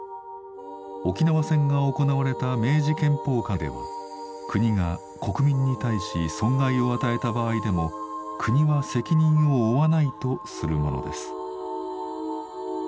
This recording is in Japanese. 沖縄戦が行われた明治憲法下では国が国民に対し損害を与えた場合でも国は責任を負わないとするものです。